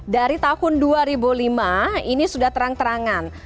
dari tahun dua ribu lima ini sudah terang terangan